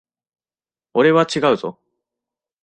俺は違うぞ。